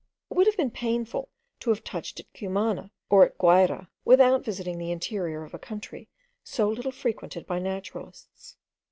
It would have been painful to have touched at Cumana, or at Guayra, without visiting the interior of a country so little frequented by naturalists.